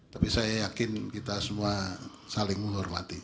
tapi saya yakin kita semua saling menghormati